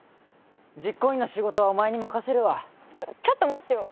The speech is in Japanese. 実行委員の仕事はお前に任せるわちょっちょっと待ってよ